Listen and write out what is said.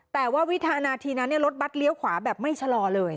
แต่ว่าวิทยาลัยทีนั้นเนี่ยรถบัสเลี้ยวขวาแบบไม่ชะลอเลย